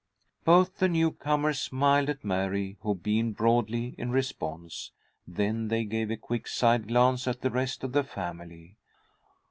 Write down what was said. Both the newcomers smiled at Mary, who beamed broadly in response. Then they gave a quick side glance at the rest of the family.